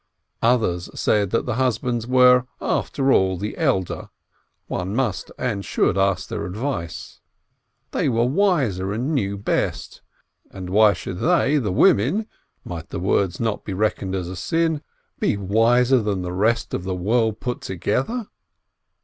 Others said that the husbands were, after all, the elder, one must and should ask their advice ! They were wiser and knew best, and why should they, the women (might the words not be reckoned as a sin!), be wiser than the rest of the world put together?